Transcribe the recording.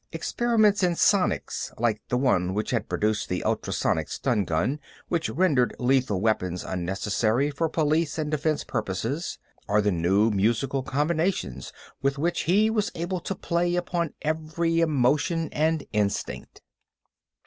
Experiments in sonics, like the one which had produced the ultrasonic stun gun which rendered lethal weapons unnecessary for police and defense purposes, or the new musical combinations with which he was able to play upon every emotion and instinct.